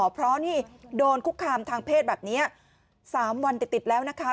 เพราะนี่โดนคุกคามทางเพศแบบนี้๓วันติดแล้วนะคะ